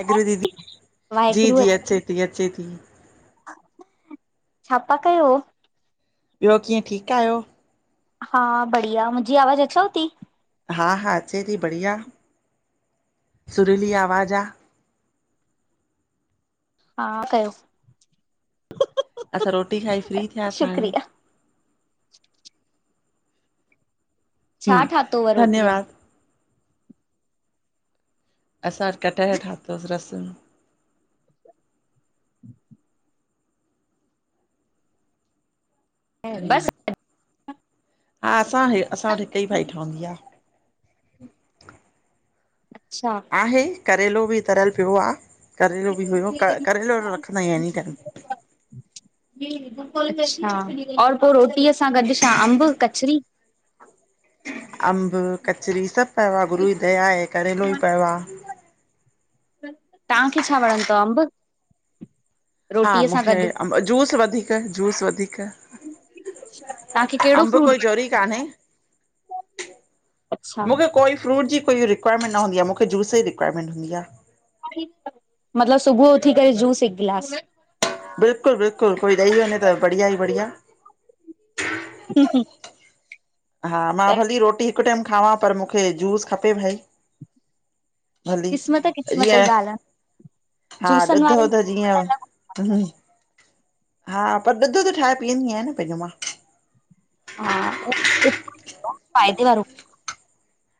वाहेगुरु दीदी, जी -जी, अचे ती, अचे थी। छाता कयो? ॿियो कीअं ठीक आहियो हा बढ़िया, मुंहिंजी आवाज़ु अचेव ती? हा- हा अचे ती बढ़िया, सुरीली आवाज़ु आ। हा कयो। असां रोटी खाई फ्री थियासि हाणे। शुक्रिया छा हम्म, ठातोव रोटीअ में? धन्यवाद, असां अॼ कटहलु ठातोस रस में। हम्म, बसि? हा असां-असां वटि हिकु ई भाॼी ठंवदी आ। अच्छा आहे करेलो बि तरियलि पियो आ, करेलो बि हुयो, करेलो रखंदा आहियूं एनी टाईम। [inaudible] अच्छा और पोइ रोटीअ सां गॾु छा, अम्बु- कचरी? अम्बु- कचरी सभु पयो आ, गुरूअ जी दया आहे, करेलो ॿि पयो आ। तव्हांखे छा वणंदो तव, अम्बु? हा मूंखे अम्बु, जूस वधीक-जूस वधीक। तव्हांखे कहिड़ो अम्बु फ्रूट कोई वणे? जोहरी कान्हे। अच्छा। मुखे कोई फ्रूट जी कोई रिक्वायरमेंट न हूंदी आ, मुखे जूस जीं रिक्वायरमेंट हूंदी आ। मतलबु सुबुह जो उथी करे जूस हिकु ग्लास? बिल्कुल- बिल्कुल कोई ॾई वञे त, बढ़िया ही बढ़िया। हु -हु हा मां भली रोटी हिकु टाईम खावां, पर मूखे जूस खपे भई। भली क़िस्मत क़िस्मत जी जियं, ॻाल्हि आहे हा जूसनि ॾुध वारनि -वुध जीअं हा पर, ॾुध- वुध ठाहे पीहंदी आया न पहिंजो मां। हा फ़ायदे वारो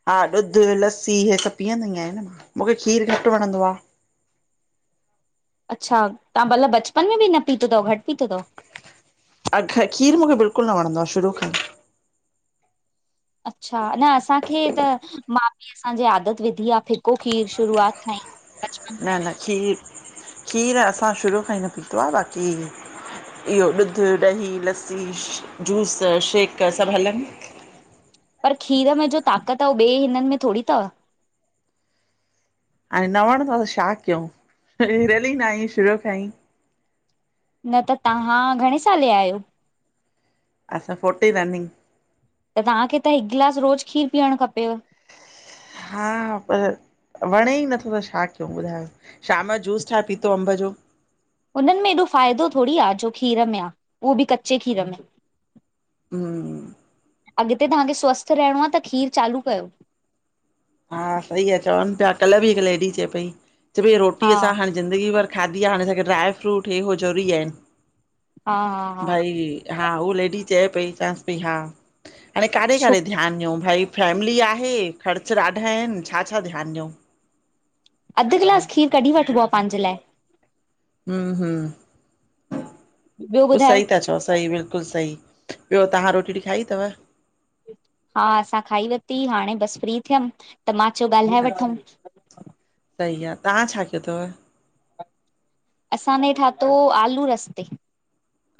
हा ॾुध लस्सी हे सभु पीअंदीं आयां न मां, मूखे खीर घटि वणंदो आ। अच्छा तां बला बचपन में भी न पीतो तव, घटि पीतो तव? खीर मूखे बिल्कुल न वणंदो आ, शुरू खां ही। अच्छा न असांखे त माउ- पीउ असां जी आदत विधी आ फिको खीर, शुरुआत खां ईं। न-न, खीर- खीर असां शुरू खां ई न पीतो आ, बाकी इहो ॾुध, दही, लस्सी, जूस, शेक सभु हलनि। पर खीर में जो ताक़त आ, उह ॿे हिननि में थोड़ी तव? हाणे न वणंदो त छा कयऊं, हिरयलु न आई शुरूअ खां ही। न त तव्हां घणे साले ॼा आहियों? असां फ़ोटी रनिंग। त तव्हांखे खे त हिकु ग्लास रोज़ खीरु पिअण खपेव। हा पर वणे ई नथो त शा कयऊं बुधायो, शाम जो जूस ठाहे पीतो अम्बु जो। उननि में एॾो फायदों थोड़ी आ, जो खीर में आ, उहो भी कच्चे खीर में। हम। अगते तंव्हाखे स्वस्थ रहणों आ, त खीर चालू कयो। हा सही आहे, चवनि पया कल भी हिकु लेडी चए पई- चए पई हा रोटीअ सां हाणे जिंदगी भर खादी आ, हाणे असांखे ड्राय-फ्रूट हे-हो ज़रूरी आहिन, हा हा हा भई हा, हो लेडी चये पई, चवासि पई हा हाणे काॾे- छो काॾे ध्यानु ॾयऊं भई? फैमली आहे। खर्चु ॾाढा आहेन, छा-छा ध्यान ॾयऊं? अधु ग्लास खीर कढी वठबो आ, पहांजे लाए। हम-हम ॿियो ओ ॿुधायो सही ता चओ, सही बिल्कुल सही। ॿियों तव्हां रोटी-वोटी खाई तव? हा असां खाई वरती, हाणे बसि फ्री थियम त मां चयो ॻाल्हाए अच्छा वठूऊं। सही आ, तव्हां छा कयो तव? असांने ठातो, आलू रस ते।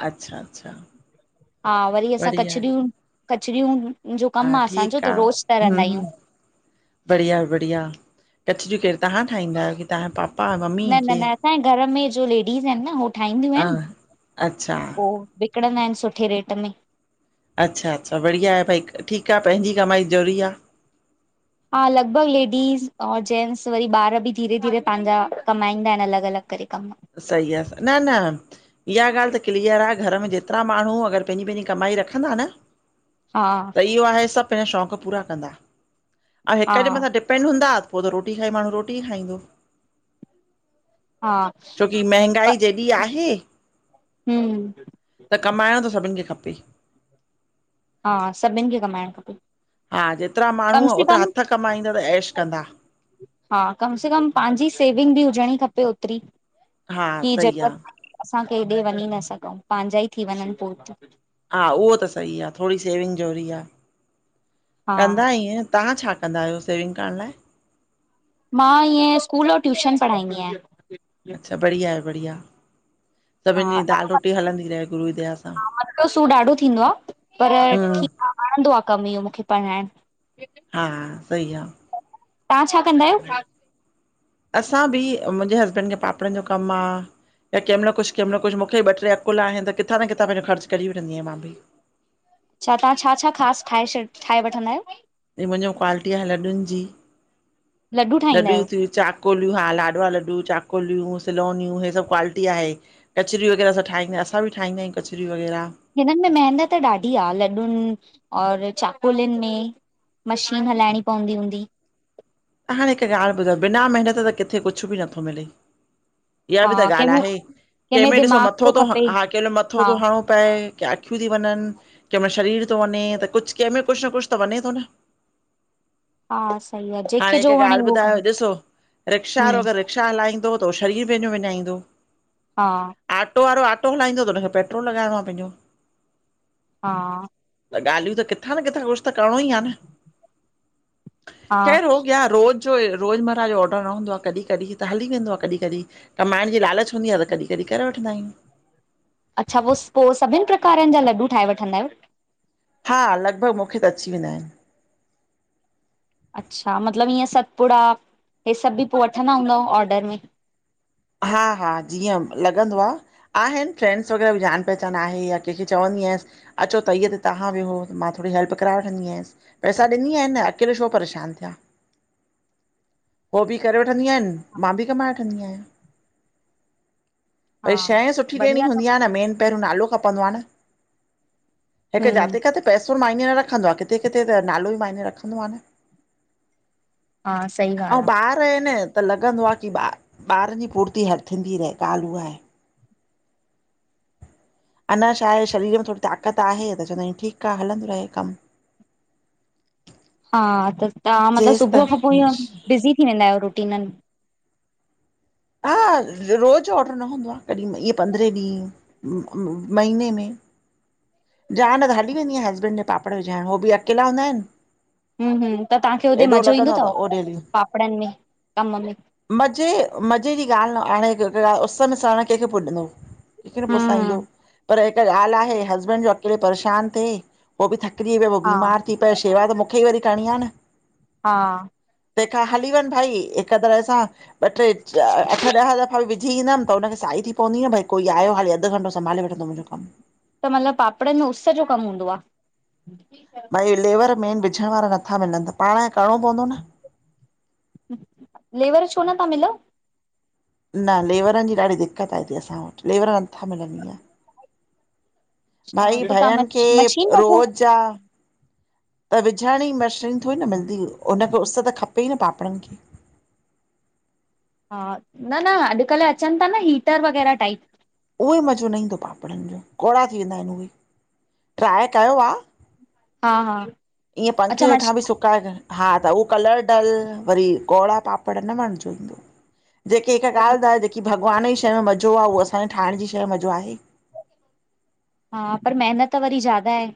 अच्छा-अच्छा। हा वरी असां कचरियूं- कचरियूं जो हा कमु आ असांजो, ठीकु त रोज़ तरंदा आह्यूं। बढ़िया-बढ़िया कचरियूं केर तव्हां ठाहींदा आहे? तव्हांजे पापा -मम्मी? केरु? न-न-न असांजे घर में जो लेडीज आहिन न, हो ठाहिन्दियूं आहिन। हा अच्छा। विकणंदा आहिन सुठे रेट में। अच्छा-अच्छा बढ़िया आहे भाई, ठीकु आ पहिंजी कमाई ज़रूरी आ। हा लगभगु लेडीज़ और जेंन्स वरी ॿारि भी धीरे-धीरे पांजा कमाईंदा आहिन, अलग-अलग करे कमु। सही आ न-न इया गाल्हि त क्लीअर आ, घरु में जेतरा माण्हूं अगरि पहिंजी- पहिंजी कमाई रखंदा न? हा। इयो आहे सभु पहिंजा शौकु पूरा कंदा, ऐं हा हिकु जे‌ मत्थां डिप पेन हूंदा, पोइ त रोटी खाई माण्हूं रोटी ई खाइंदो। हा। छोकी प महंगाई जेॾी आहे, हम्म त कमाईणों त सभिनी खे खपे। हा सभिनि खे कमाईणु खपे। हा जेतिरा कम माण्हूं, से ओतिरा कम हथु कमाईंदणुं ऐश कंदा। हा कमु से कमु पाहिंजी सेविंग बि हुजणी खपे ओतिरी। हा की सही आ झटपट असां केॾे वञी न सघऊं, पाहिंजा ई थी वञनि पोइते। हा उहो त सही आ, थोड़ी सेविंग जरुरी आ। हा कंदा इय तव्हां छा कंदा आहियो सेविंग करणु लाइ? मां हिअं स्कूल और ट्यूशन पढ़ाईंदी आहियां। अच्छा बढ़िया आहे बढ़िया! सभिनि हा- जी दाल रोटी हलंदी रहे गुरू जी दया सां हा मत्थों सूर ॾाढो थींदो आ, पर हम्म ठीकु वणंदो आ कमु इहो मूंखे पढ़ाइणु। हा सही आ। तव्हां छा कंदा आहियो? असां भी, मुंहिंजे हस्बैंड खे पापड़नि जो कमु आ। त कंहिं महिलु कुछ- कहिं महिलु कुछ मूंखे ॿ- ट्रे अकुल आहिनि, त किथां न किथां पंहिंजो खर्चु कढी वठंदी आहिया मां बि। छा तव्हां छा- छा ख़ासि ठाहे छॾ, ठाहे वठंदा आहियो? ऐं मुंहिंजो क्वालिटी आहे लॾुनि जी, लॾूं ठाहींदा लॾियूं आहियो थियूं चाक चाकोलियूं हा लाॾवा लॾू, चाकोलियूं, सिलोनियूं हे सभु क्वालिटी आहे। कचरियूं वग़ैरह असां ठाहिन्दायुं, असां बि ठाहिन्दायूं कचरियूं वग़ैरहा। हिननि में मेहनत ॾाढी आ लॾुनि और चाकोलिनि में। मशीन हलाइणी पवंदी हूंदी? त हाणे हिकु ॻाल्हि ॿुधायो, बिना मेहिनत त किथे कुछ बि नथो मिले। इहा हा बि त ॻाल्हि कंहिंमें आहे, कंहिंमें ॾिसो दिमाग़ मत्थों थो तो ह- खपे हा अकेलो मत्थों हा तो हणो पए की अखियूं ती वञनि, कंहिं महिल शरीर तो वञे, त कुछ कंहिंमें कुछ न कुछ त वञे ई तो न? हा सही आ च हाणे हिकु ॻाल्हि ॿुधायो ॾिसो, रिक्शा वारो हा अगरि रिक्शा हलाईंदो त उहो शरीरु पंहिंजो विञाईंदो। हा। आटो वारो आटो हलाईंदो त हुनखे पेट्रोल लॻाइणो आहे पंहिंजो। हा। त ॻाल्हियूं त किथां न किथां कुछ त करिणो ई आ न, हा केर हो या रोज़ जो रोज़मर्रा जो ऑर्डर न हूंदो आ, कॾहिं- कॾहिं त हली वेंदो आ कॾहिं- कॾहिं कमाइणु जी लालच हूंदी आ त, कॾहिं-कॾहिं करे वठंदा आहियूं। अच्छा पोइ- पोइ सभिनि प्रकारनि जा लॾु ठाहे वठंदा आहियो? हा लॻभॻि मूंखे त अची वेंदा आहिनि। अच्छा मतलबु इअं सतपुड़ा, इहे सभु बि पोइ वठंदा हूंदव ऑर्डर में? हा- हा जीअं लॻंदो आ। आहिनि फ्रैंड्स वग़ैरह बि, जान- पहचान आहे या कैंखे चवनि आयसि। अचो तई ते तव्हां वेहो, मां थोड़ी हेल्प कराए वठंदी आयासि। पैसा ॾिनी आहिनि न अकेले शो परेशान थिया? हो बि करे वठन्दियुंन, मां बि कमाए वठंदी आहियां। पर हा शये सुठी ॾियणी बढ़िया तव, हूंदी आ न, मेन पहिरियों नालो खपंदो आहे न? हिकु जाते- काथे पैसो न मायने न रखंदो आ, किथे- किथे त नालो ई मायने रखंदो आ न? हा सही ॻाल्हि आ। रहे न त लॻंदो आहे की, ॿ ॿारनि जी फुर्ती हर थींदी रहे, ॻाल्हि उहा आहे। अञा छा आहे शरीर में थोड़ी ताक़त आहे त चवंदा आहियुं, ठीकु आहे हलंदो रहे कमु। हा त तव्हां मतलबु जेसि सुबुह खां पोइ ताईं इह बिज़ी थी वेंदा आहियो रूटीननि? हा रोज़ जो ऑर्डर न हूंदो आ। कॾहिं इहे पंद्रहें ॾींहुं, महीने में। जा न त हली वेंदी आहियां, हस्बैंड जे पापड़ विझाइणु‌, हो बि अकेला हूंदा आहिनि। हु-हु त तव्हांखे हुते एॾो मज़ो लॻंदो ईंदो आ तव, त ओ पापड़नि में- कमु में? मॼे-मॼे ॼी ॻाल्हि न हाणें, केहिड़ा उस्स में सरणु कंहिंखे पुॼंदो? केंखे न पुसाईंदो हूं पर हिकु ॻाल्हि आहे, हस्बैंड जो अकेले परेशान थिए हो ॿि थकिॼी पए, पो हा ॿीमार थी पए, शेवा त मूंखे ई वरी करिणीं आ न? हा। तंहिंखा हली वंञ भाई, हिकु तरह सां ॿ- ट्रे अठ-ॾह दफ़ विझी ईंदमि त उनखे साई थी पवंदी न भई, कोई आयो हाली अधु घंटो संभाले वठंदो मुंजो कमु। त मतलबु पापड़नि जो उस्स जो कमु हूंदो आ? हे लेवर मेन विझण वारा नत्था मिलनि, त पाणु खे करिणो पवंदो न? लेवर छो न ता मिलउ? न लेवरनि जी ॾाढी दिक्क़त आ हिते असां वटि, लेवर नथा मिलनि हींय। हा भाई त तव्हां -भयनि मश मशीन खें वठो। रोज़ जा त विझण जी मशीन थोड़ी न मिलदी, हुनखे उस्स त खपेई न पापड़नि खे। हा न-न अॼुकल्ह अचनि ता न, हीटर वग़ैरह टाइप। उहो ई मज़ो न ईंदो पापड़नि जो, कौड़ा थी वेंदा आहिन उहे, ट्राए कयों आ। हा-हा। ईअं पंखे जे हेठां बि सुकाए करे हा त उहो कलर डलु, वरी कौड़ा पापड़ न वणिजो ईंदो। जेकी हिकु ॻाल्हि ॿुधायो, जेकी भॻवानु जी शै में मज़ो आ, उहो असांॼे ठाहिणु ॼी शै में मजो आहे? हा पर, मेहिनत वरी ज़्यादा आहे।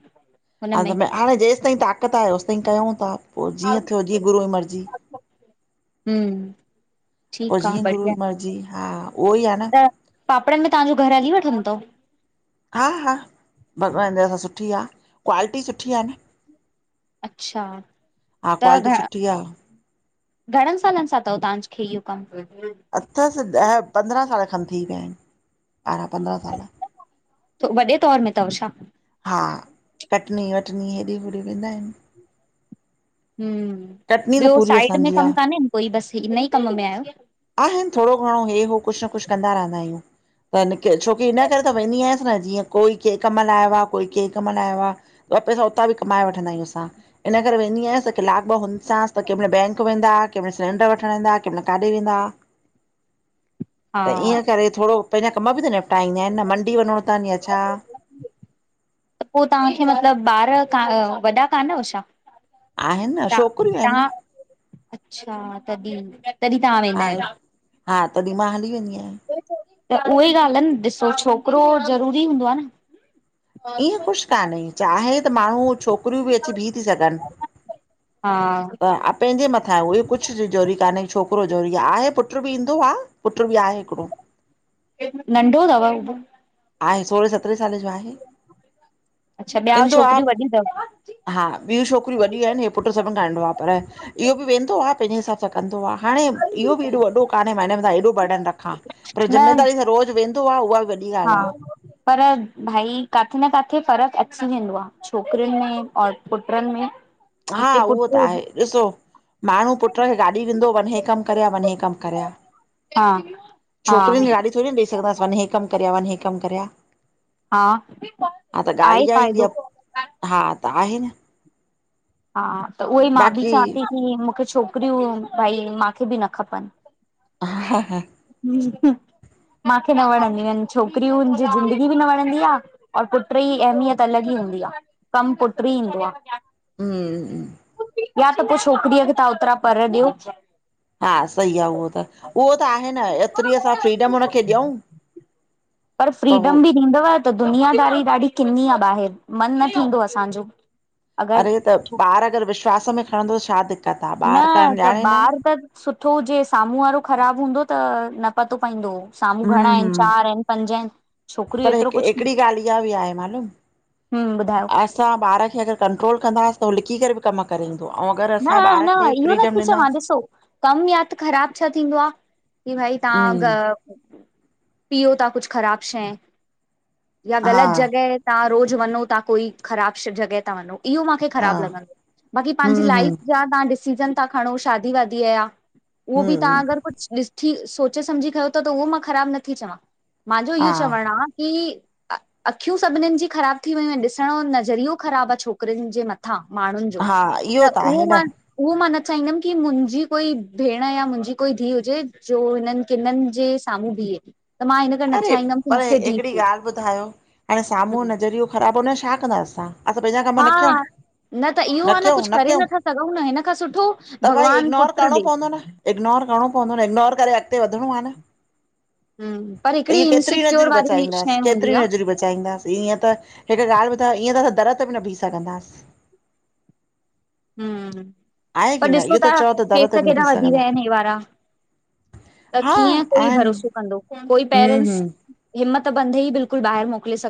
हा हुनमें। त म हाणे जेसिताईं ताक़त आहे ओसिताईं कयंऊ ता, पो ॼीअं थियो ॼीअं गुरूअ ॼी मर्ॼी। हम्म। पोइ ठीक आ जीअं गुरूअ बढ़िया जी मर्ज़ी, हा उहो ई आ न। त पापड़नि में तव्हांॼो घरु हली वठंदो तवि? हा- हा भॻवानु जी दया सां सुठी आ, क्वालिटी सुठी आ न। अच्छा हा त क्वालिटी घणा सुठी आहे घणनि सालनि सां तवि तहांज्खे इहो कमु? अथसि ॾह-पंद्रहां साल खनि थी विया आहिन, ॿारहां- पंद्रहां साल। त वॾे तौर में तवि छा? हा कटनी- वटनी हेॾे -होॾे वेंदा इनि। हम्म कटनी त ॿियो पूरी साइड में असांजी कमु आहे कानेन कोई, बसि हिन ई कमु में आयो? आहिनि थोड़ो घणों हे- हो कुछ न कुछ कंदा रहंदा आहियूं। त इन के छोकी इनये करे त वेंदी आयांसि न ॼीअं कोई कें कमु लाए आयो आ, कोई कें कमु लाए आयो आ। ॿ पैसा उतां ॿि कमाए वठंदा आहियूं असां, इन करे वेंदी आहियांस त किलाकु ॿ हुन्सांस त केंमल बैंक वेंदा, केंमल सिलेंडरु वठणु वेंदा, केमल काॾे वेंदा। [inaudible] हा त ईअं करे थोड़ो पंहिंॼा कमु ॿि त निपटाए ईंदा इनि न, मंडी वञिंणो तनि या छा। त पो तहांखे मतलबु ॿार का वॾा कानव छा? आहिनि न ता छोकिरियूं आहिनि तव्हां न अच्छा! तॾहीं- तॾहीं तव्हां वेंदा हा आहियो। हा तॾहीं मां हली वेंदी आहियां। त उहई ॻाल्हि आ न, ॾिसो छोकिरो ज़रूरी हूंदो आ न? ईहं कुछ कान्हे। चाहे त माण्हूं छोकिरियूं ॿि अची बींह ती सघनि। हा। हा पंहिंजे मथां आहे उहे कुछ ज़रूरी कान्हे, छोकिरो ज़रूरी आ। आहे पुट्रु ॿि ईंदो आ, पुट्रु ॿि आहे हिकिड़ो। नंढो तव उहो? आहे सोरहें -सतिरहें साले जो आहे, अच्छा ॿिया इंदो आ‌ छोकिरियूं वॾियूं अथव? हा ॿियूं छोकिरियूं वॾियूं आहिनि, इहे पुट्रु सभिनि खां नंढो आ, पर इहो बि वेंदो आ। पंहिंजे हिसाबु सां कंदो आ। हाणें इहो ॿि एॾो- वॾो कान्हे, मां हिनि जे मथां एॾो बर्डन रखां, पर न ज़िम्मेदारीअ सां रोज़ वेंदो न्दो आ, उहा बि वडी हा पर भाई, काथे न काथे फ़र्कु अची वेंदो आ। छोकिरियुनि में और पुट्रनि में। हा, हिते पुट उहो त हुजे आहे, ॾिसो माण्हूं पुट्र खे गाॾी ॾिन्दो, वनि हे कमु करेया। वनि हे कमु करेया। हा-हा। छोकिरियुंन खे गाॾी थोरी न ॾेई सघंदासीं। वनि हे कमु करेया- वनि हे कमु करेया। हा, ॻाल्हि आए इहा ईंदी फ़ाइदो? आ हा त, आहे न। हा, त उहेई मां बि बाक़ी चवां ती की, मूंखे छोकिरियूं भाई, माखे बि न खपनि। हा- हा माखे न वणंदियूं आहिनि। छोकिरियूंनि जी ज़िंदगी बि न वणंदी आ। और पुट्र ई अहमियत अलॻि ई हूंदी आ। कमु पुट्र ई ईंदो आ। हमम या त पोइ छोकिरीअ खे तव्हां ओतिरा पर ॾियो। हा, सही आहे उहो त-उहो त आहे न, ऐतिरी असां फ्रीडम हुनखे ॾियऊं। पर फ्रीडम बि ॾींदव, त दुनियादारी ॾाढी किन्नी आहे ॿाहिरि, मन न थींदो असांजो। अगरि अरे त, ॿारु अगर विश्वास में खणंदो त छा दिक़त आ, न ॿारु करणु त ॼाणे न। ॿार त सुठो हुजे, साम्हूं वारो ख़राब हूंदो त न पतो पईंदो, साम्हूं घणा हम्म आहिनि? हम्म चार आहिनि पंज आहिनि, छोकिरियूं पर एतिरो हिकु कुछ, हिकिड़ी ॻाल्हि इहा बि हम्म ॿुधायो? तहां ॿार खे अगर कंट्रोल कंदास हो लिकि करे बी कमु करे ईंदो, अऊं अगर न असां ॿार खे फ्रीडम ॾींदासीं कम, या त ख़राब छा थींदो आ, की भाई तव्हां हम्म ग पीओ ता कुछ ख़राब शइ या हा ग़लत जॻह तहां रोज़ वञो, तव्हां कोई ख़राब जॻह ते वञो, इहो माखे हा ख़राब लॻंदो आ बाक़ी हम्म हम्म छा तहां डिसिजन ता खणो, शादी वादी जा, हो बि हम्म तव्हां अगर कुछ ॾिसठी सोचे समझी खयो, त उहो मां ख़राब न थी चवां, मांजो इहो हा चवण आ कि अखियूं सभिनीनि जी ख़राब थी वयूं आहिनि। ॾिसण जो, नज़रियो ख़राब आ छोकिरुनि जे मथां, माण्हुनि जो हा इहो त, उहो आहे न मां उहो, मां न चाहींदमि की मुंजी कोई भेण या मुंजी कोई धीह हुजे, जो हिननि किननि जे, साम्हूं भीहे। अरे! पर हिकिड़ी ॻाल्हि ॿुधायो? हाणे, थिए साम्हूं जो नज़रियो ख़राब हुनजो, छा कंदा असां। असां पंहिंजा कम न कयूं? हा न त, इहो आ न, कुछ करे नथा सघूं न, हिन खां सुठो त भई भॻवान इग्नोर पुट्र करिणो ॾे। इग्नोर करणो पवंदो, न इग्नोर करे अॻिते वधणो आ न। हम्म पर त हिकिड़ी इहे केतिरियूं इनसिक्योर नज़रियूं वारी बचाईंदासी, शइ हूंदी आ केतिरियूं नज़रियूं बचाईंदासीं ईअं त हिक ॻाल्हि ॿुधायो, ईअं त असां दर ते भी न बी सघंदासीं। हम्म, आहे की पर न ॾिसो इहो त तहां चओ त दर केस ते बि न केॾा बीह वधी विया सघंदा आहिनि, हे वारा। त हा कीअं, कोई आहिनि भरोसो कंदो कोई हम्म पेरेंट्स हम्म हिम्मत ॿंधे ही बिल्कुल बाहिंर मोकिले सघे।